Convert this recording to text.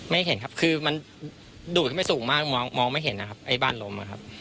ไม่เห็นครับคือมันดูดขึ้นไปสูงมากมองไม่เห็นนะครับไอ้บ้านล้มนะครับ